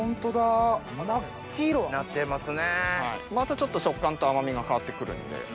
またちょっと食感と甘みが変わって来るんで。